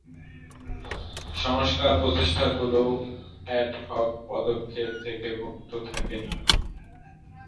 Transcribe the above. সংস্কার প্রচেষ্টাগুলোও অ্যাড-হক পদক্ষেপ থেকে মুক্ত থাকে নি।